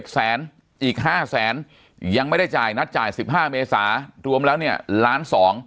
แสนอีก๕แสนยังไม่ได้จ่ายนัดจ่าย๑๕เมษารวมแล้วเนี่ยล้าน๒